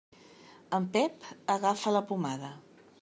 En Pep agafa la pomada.